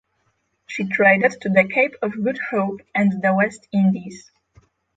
She traded to the Cape of Good Hope and the West Indies.